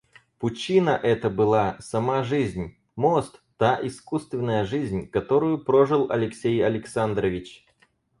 Пучина эта была — сама жизнь, мост — та искусственная жизнь, которую прожил Алексей Александрович.